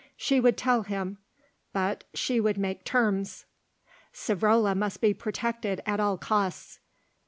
She would tell him; but she would make terms. Savrola must be protected at all costs.